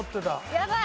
やばい！